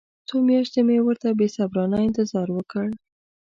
څو میاشتې مې ورته بې صبرانه انتظار وکړ.